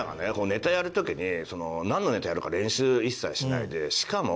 ネタやる時になんのネタやるか練習一切しないでしかも。